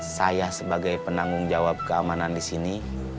saya sebagai penanggung jawab keamanan disini